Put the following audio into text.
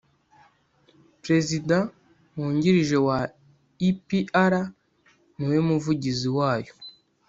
prezida wungirije wa epr niwe muvugizi wayo